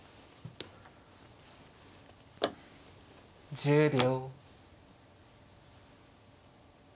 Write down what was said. １０秒。